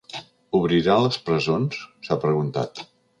Obrirà les presons?, s’ha preguntat.